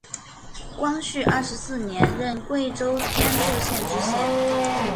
光绪二十四年任贵州天柱县知县。